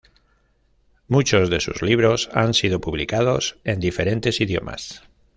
Muchos de sus libros han sido publicados en diferentes idiomas.